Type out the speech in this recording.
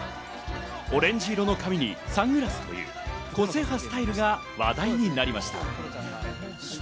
オレンジ色の髪にサングラスで個性派スタイルが話題になりました。